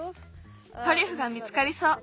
トリュフが見つかりそう。